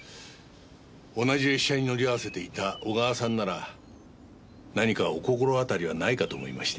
同じ列車に乗り合わせていた小川さんなら何かお心当たりはないかと思いまして。